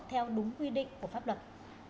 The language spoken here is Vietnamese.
theo đúng quy định của pháp luật